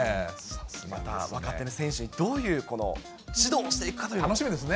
また若手の選手にどういう指導をしていくかって、楽しみですね。